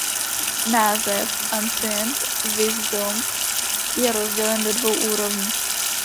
Název Ancient Wisdom je rozdělen do dvou úrovní.